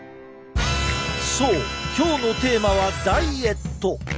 そう今日のテーマはダイエット。